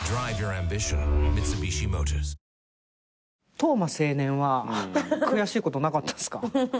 斗真青年は悔しいことなかったんすか？